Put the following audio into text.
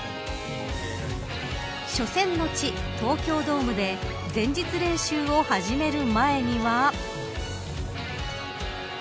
初戦の地、東京ドームで前日練習を始める前には。